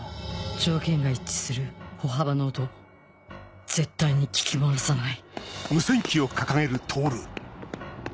条件が一致する歩幅の音絶対に聞き漏らさない